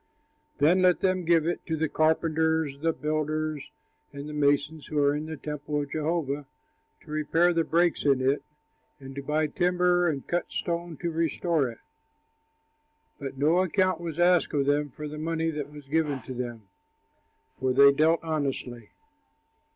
Then let them give it to the carpenters, the builders, and the masons who are in the temple of Jehovah, to repair the breaks in it and to buy timber and cut stone to restore it." But no account was asked of them for the money that was given to them, for they dealt honestly.